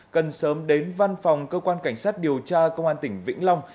cần sớm đến văn phòng cơ quan cảnh sát điều tra công an tỉnh vĩnh long